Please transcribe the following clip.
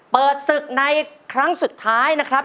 เปิดศึกในครั้งสุดท้ายนะครับ